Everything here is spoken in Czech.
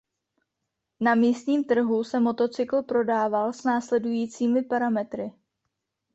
Na místním trhu se motocykl prodával s následujícími parametry.